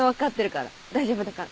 大丈夫だから。